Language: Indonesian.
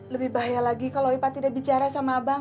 lebih bahaya lagi kalau ipa tidak bicara sama abang